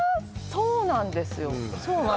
そうなんですよ